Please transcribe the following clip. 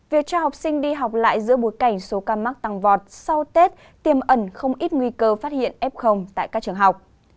việc cho học sinh đi học lại giữa bối cảnh số ca mắc tăng vọt sau tết tiêm ẩn không ít nguy cơ phát hiện f tại các trường học